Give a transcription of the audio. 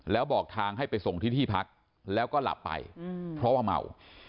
แล้วบอกทางให้ไปส่งที่ที่พักแล้วก็หลับไปเพราะว่าเมา